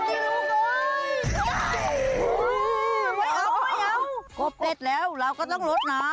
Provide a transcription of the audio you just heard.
ไงเอากบเต็ดแล้วเราก็ต้องลดน้ำ